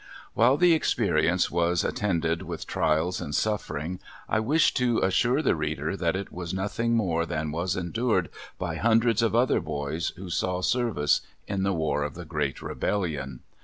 While the experience was attended with trials and suffering, I wish to assure the reader that it was nothing more than was endured by hundreds of other boys who saw service in the War of the Great Rebellion.